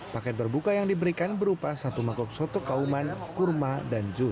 paket berbuka yang diberikan berupa satu mangkok soto kauman kurma dan juru